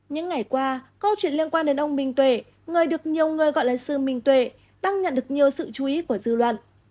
những ngày qua câu chuyện liên quan đến ông minh tuệ người được nhiều người gọi là sư minh tuệ đang nhận được nhiều sự chú ý của dư luận